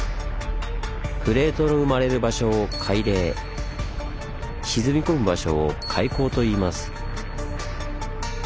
プレートの生まれる場所を「海嶺」沈み込む場所を「海溝」といいます。